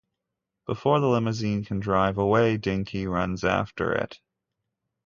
Before the limousine can drive away, Dinky runs after it.